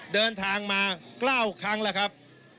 เดินทางมา๙ครั้งแล้วครับ